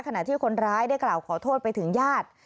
ขณะที่คนร้ายได้กล่าวขอโทษไปถึงญาติ